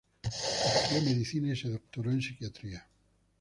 Estudió Medicina y se doctoró en Psiquiatría.